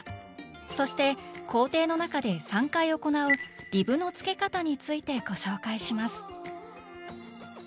そして工程の中で３回行う「リブのつけかた」についてご紹介します